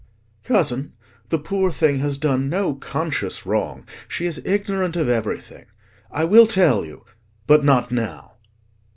"Cousin, the poor thing has done no conscious wrong: she is ignorant of everything. I will tell you—but not now."